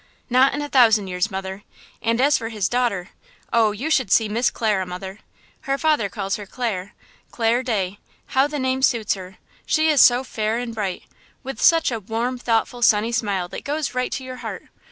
"Not in a thousand years, mother, and as for his daughter–oh, you should see Miss Clara, mother! Her father calls her Clare–Clare Day! how the name suits her! She is so fair and bright! with such a warm, thoughtful, sunny smile that goes right to your heart!